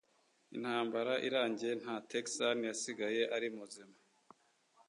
Intambara irangiye, nta Texan yasigaye ari muzima.